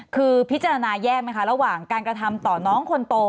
คือพิจารณาแยกไหมคะระหว่างการกระทำต่อน้องคนโต